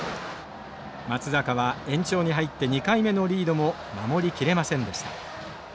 松坂は延長に入って２回目のリードも守りきれませんでした。